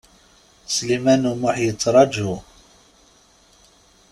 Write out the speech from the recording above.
Sliman U Muḥ yettraǧu.